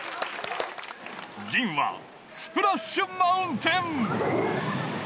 銀はスプラッシュ・マウンテン。